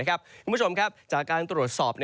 คุณผู้ชมครับจากการตรวจสอบ